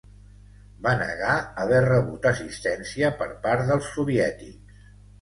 Va negar haver rebut assistència per part dels soviètics.